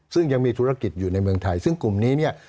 ซึ่งยังมีธุรกิจอยู่ในเมืองไทยซึ่งกลุ่มนี้เนี่ย